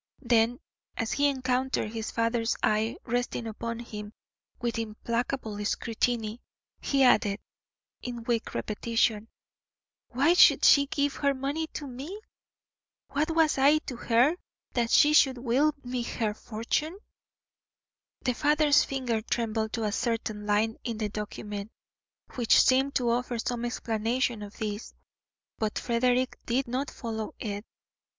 Then, as he encountered his father's eye resting upon him with implacable scrutiny, he added, in weak repetition: "Why should she give her money to me? What was I to her that she should will me her fortune?" The father's finger trembled to a certain line in the document, which seemed to offer some explanation of this; but Frederick did not follow it.